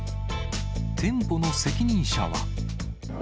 店舗の責任者は。